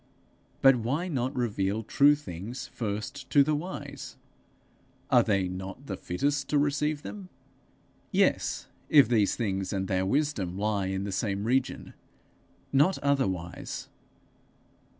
'But why not reveal true things first to the wise? Are they not the fittest to receive them?' Yes, if these things and their wisdom lie in the same region not otherwise.